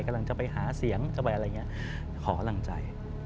กำลังจะไปหาเสียงจะไปอะไรอย่างนี้ขอกำลังใจ